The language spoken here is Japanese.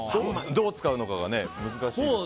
どう使うのかが難しいですけど。